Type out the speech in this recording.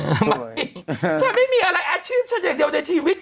ทำไมฉันไม่มีอะไรอาชีพฉันอย่างเดียวในชีวิต